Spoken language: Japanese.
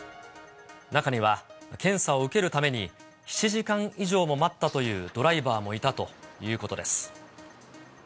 中には、検査を受けるために７時間以上も待ったというドライバーもいたということです。